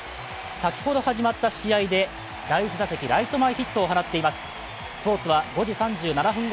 先ほど始まった試合で第１打席、ライト前ヒットを放っています。